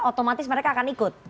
otomatis mereka akan ikut